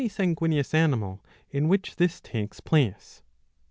8 37 sanguineous animal in which this takes place.